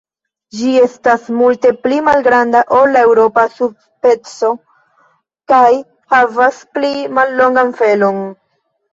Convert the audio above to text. Ĝi estas multe pli malgranda ol la eŭropa sub-speco kaj havas pli mallongan felon.